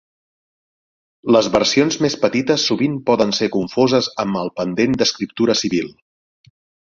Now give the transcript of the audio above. Les versions més petites sovint poden ser confoses amb el pendent d'escriptura civil.